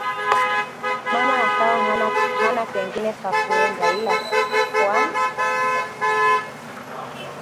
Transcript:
Mama akawa hana pengine pa kuenda ila kwa